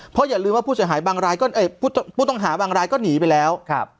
เพราะอย่าลืมว่าผู้ต้องหาบางรายก็หนีไปแล้ว